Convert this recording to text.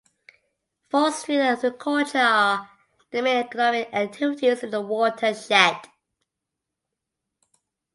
Forestry and agriculture are the main economic activities in the watershed.